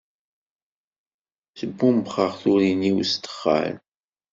Sbumbxeɣ turin-iw s ddexxan.